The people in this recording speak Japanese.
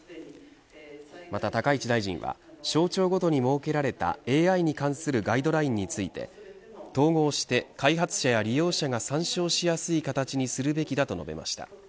また高市大臣は省庁ごとに設けられたＡＩに対するガイドラインについて統合して開発者や利用者が参照しやすい形にするべきだと述べました。